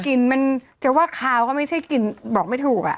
มันจะว่าคาวก็ไม่ใช่กลิ่นบอกไม่ถูก